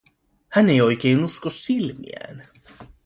Hän ei oikein usko silmiään.